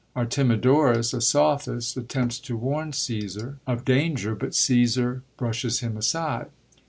Artemidorus, a sophist^ attempts to warn Csosar of danger, but Csssar brushes him aside.